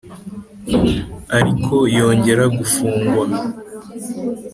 ariko yongera gufungwa.